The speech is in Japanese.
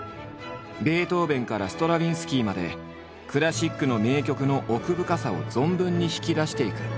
ベートーベンからストラヴィンスキーまでクラシックの名曲の奥深さを存分に引き出していく。